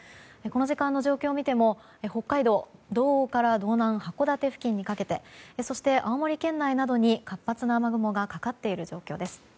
この時間の状況を見ても北海道、道央から道南函館にかけてそして青森県内などに活発な雨雲がかかっている状況です。